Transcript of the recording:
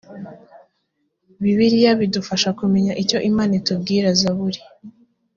bibiliya bidufasha kumenya icyo imana itubwira zaburi